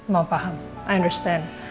mau paham i understand